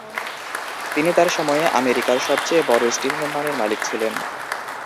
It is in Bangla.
তিনি তার সময়ে আমেরিকার সবচেয়ে বড় স্টিল কোম্পানির মালিক ছিলেন।